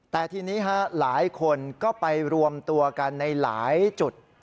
แต่ทีนี้หลายคนก็ไปรวมตัวกันในหลายจุด